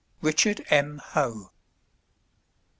RICHARD M. HOE.